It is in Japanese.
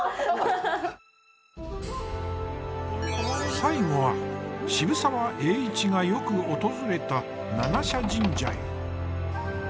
最後は渋沢栄一がよく訪れた七社神社へ。